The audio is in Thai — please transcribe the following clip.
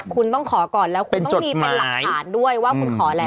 คุณต้องขอก่อนแล้วคุณต้องมีเป็นหลักฐานด้วยว่าคุณขอแล้ว